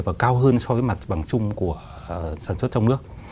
và cao hơn so với mặt bằng chung của sản xuất trong nước